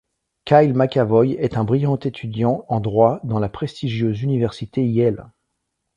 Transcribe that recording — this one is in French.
Kyle McAvoy est un brillant étudiant en droit dans la prestigieuse université Yale.